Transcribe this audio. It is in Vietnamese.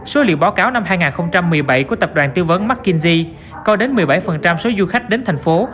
số liệu báo cáo năm hai nghìn một mươi bảy của tập đoàn tư vấn mckinsey có đến một mươi bảy số du khách đến thành phố